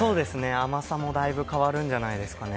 甘さもだいぶ変わるんじゃないですかね。